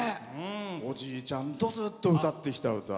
おじいちゃんとずっと歌ってきた歌。